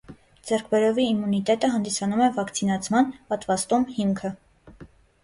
Ձեռքբերովի իմունիտետը հանդիսանում է վակցինացման (պատվաստում) հիմքը։